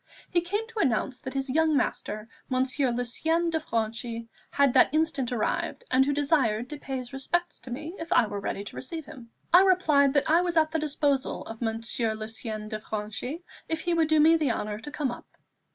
He came to announce that his young master, Monsieur Lucien de Franchi, had that instant arrived, and who desired to pay his respects to me if I were ready to receive him. I replied that I was at the disposal of Monsieur Lucien de Franchi if he would do me the honour to come up.